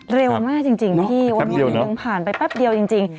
เร็วมากจริงจริงพี่วันวันเมืองผ่านไปแป๊บเดียวจริงจริง